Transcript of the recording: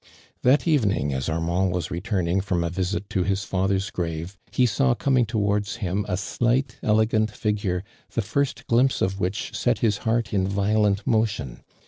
That evening, as Amiand waa returning ft om a visit to his father's grave, he saw coming towards him a slight, elegant figure, the first glimpse of which set his heart in violent motion.